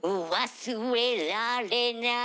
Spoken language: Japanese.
「忘れられない」